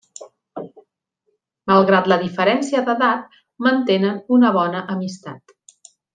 Malgrat la diferència d'edat, mantenen una bona amistat.